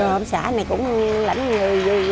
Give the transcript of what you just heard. rồi hộp xã này cũng lãnh người hai trăm linh cái